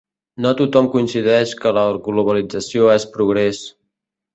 No tothom coincideix que la globalització és progrés